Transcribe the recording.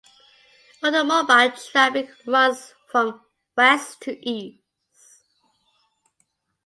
Automobile traffic runs from west to east.